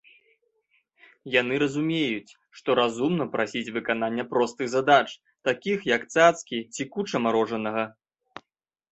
Яны разумеюць, што разумна прасіць выканання простых задач, такіх як цацкі ці куча марожанага.